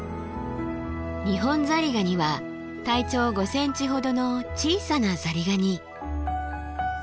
ニホンザリガニは体長５ｃｍほどの小さなザリガニ。